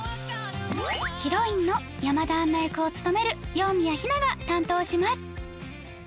ヒロインの山田杏奈役を務める羊宮妃那が担当します